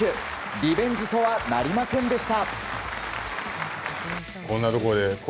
リベンジとはなりませんでした。